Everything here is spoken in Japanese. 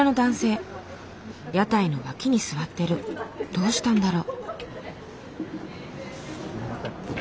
どうしたんだろ？